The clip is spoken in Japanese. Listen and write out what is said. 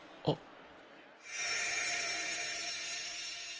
あっ！